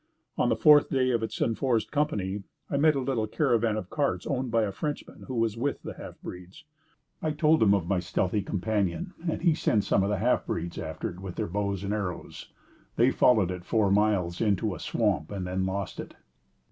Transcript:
On the fourth day of its enforced company, I met a little caravan of carts owned by a Frenchman who was with the half breeds. I told him of my stealthy companion, and he sent some of the half breeds after it with their bows and arrows. They followed it four miles into a swamp and then lost it.